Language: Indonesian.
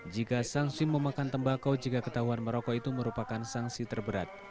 jika sanksi memakan tembakau jika ketahuan merokok itu merupakan sanksi terberat